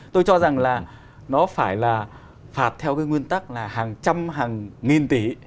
tôi cho rằng là nó phải là phạt theo cái nguyên tắc là hàng trăm hàng nghìn tỷ